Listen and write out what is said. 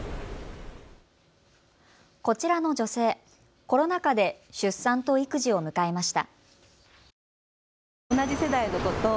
こちらの女性、コロナ禍で出産と育児を迎えました。